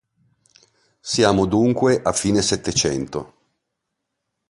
Siamo dunque a fine settecento.